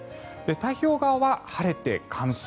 太平洋側は晴れて、乾燥。